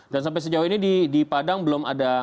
dan sampai sejauh ini di padang belum ada